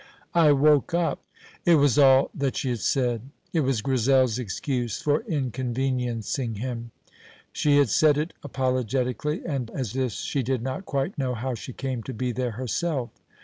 "I woke up." It was all that she had said. It was Grizel's excuse for inconveniencing him. She had said it apologetically and as if she did not quite know how she came to be there herself.